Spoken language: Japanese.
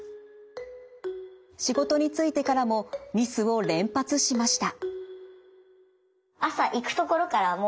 仕事に就いてからもミスを連発しました。